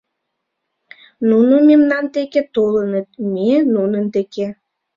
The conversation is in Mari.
— Нуно мемнан деке толыныт, ме -нунын деке.